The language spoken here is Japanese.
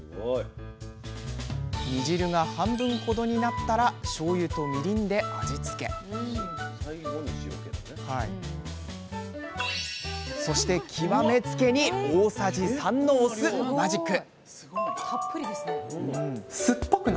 煮汁が半分ほどになったらしょうゆとみりんで味付けそして極め付けに大さじ３のお酢マジック！